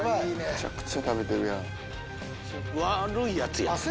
めちゃくちゃ食べてるやん。